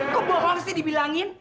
kok bohong sih dibilangin